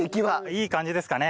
いい感じですかね。